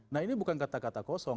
nah ini bukan kata kata kosong